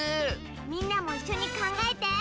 みんなもいっしょにかんがえて！